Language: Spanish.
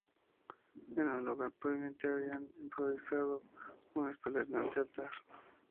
En un lugar prominente habían improvisado un espeluznante altar.